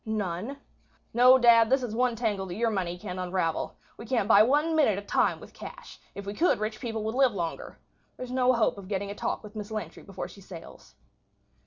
None. No, dad, this is one tangle that your money can't unravel. We can't buy one minute of time with cash; if we could, rich people would live longer. There's no hope of getting a talk with Miss Lantry before she sails."